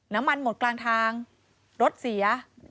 น้ำมันหมดกลางทางรถเสีย